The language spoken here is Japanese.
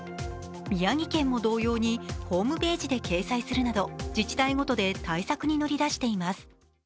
宮城県も同様にホームページで掲載するなど自治体ごとで対策に乗り出しています。